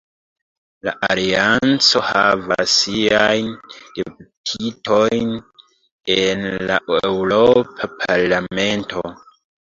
La Alianco havas siajn deputitojn en la Eŭropa Parlamento.